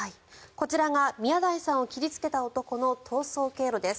こちらが宮台さんを切りつけた男の逃走経路です。